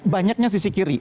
banyaknya sisi kiri